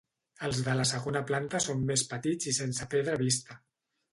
Els de la segona planta són més petits i sense pedra vista.